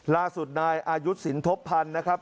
ล่าสุดนายอายุสินทบพันธ์นะครับ